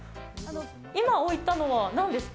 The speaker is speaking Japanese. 今、置いたのは何ですか？